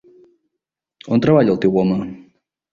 On treballa, el teu home?